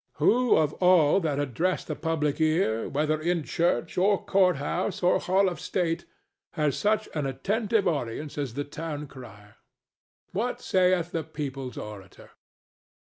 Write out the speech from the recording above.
Who of all that address the public ear, whether in church or court house or hall of state, has such an attentive audience as the town crier! What saith the people's orator?